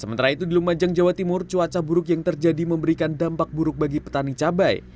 sementara itu di lumajang jawa timur cuaca buruk yang terjadi memberikan dampak buruk bagi petani cabai